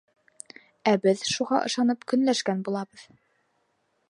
Ә беҙ шуға ышанып көнләшкән булабыҙ.